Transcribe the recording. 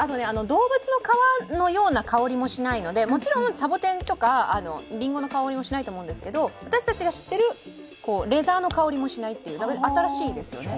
動物の皮のような香りもしないのでもちろんサボテンとかりんごの香りもしないと思うんですけど私たちが知っているレザーの香りもしない、だから新しいですよね。